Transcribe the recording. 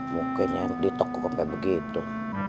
mungkin yang ditok kok sampai begitu